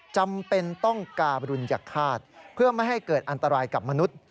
จำเป็นต้องการุญฆาตเพื่อไม่ให้เกิดอันตรายกับมนุษย์